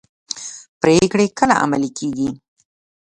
پریکړې کله عملي کیږي؟